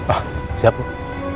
oh siap pak